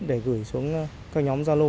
để gửi xuống các nhóm gia lô